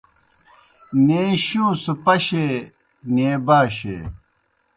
نیں شُوں سہ پشیئے، نیں باشیئے